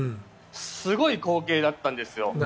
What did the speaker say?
すごい光景だったんですよ。